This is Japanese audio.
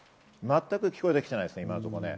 全く聞こえてきていないですね。